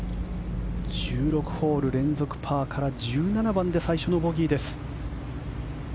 １６ホール連続パーから１７番で最初のボギーです。